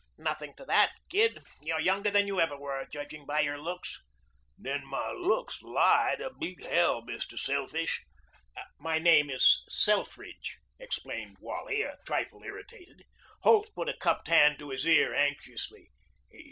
"Nothing to that, Gid. You're younger than you ever were, judging by your looks." "Then my looks lie to beat hell, Mr. Selfish." "My name is Selfridge," explained Wally, a trifle irritated. Holt put a cupped hand to his ear anxiously.